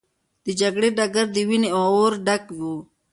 د جګړې ډګر د وینو او اور ډک و.